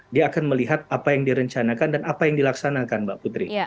dia akan melihat apa yang direncanakan dan apa yang dilaksanakan mbak putri